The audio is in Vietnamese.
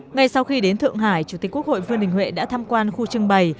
ngay sau khi đến thượng hải chủ tịch quốc hội vương đình huệ đã tham quan khu trưng bày